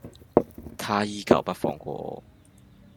他依舊不放過我